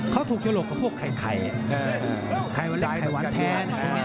เขาถูกโฉลกกับพวกไข่ไข่ไข่หวานเล็กไข่หวานแท้